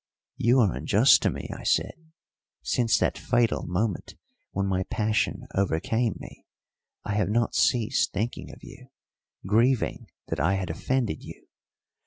"You are unjust to me," I said. "Since that fatal moment when my passion overcame me I have not ceased thinking of you, grieving that I had offended you.